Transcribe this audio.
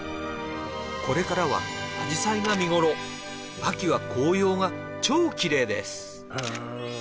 これからはあじさいが見ごろ秋は紅葉が超キレイですへえ